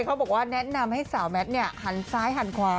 เขาบอกว่าแนะนำให้สาวแมทหันซ้ายหันขวา